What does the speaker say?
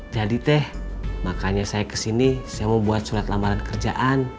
jadi teh makanya saya kesini saya mau buat sulit lamaran kerjaan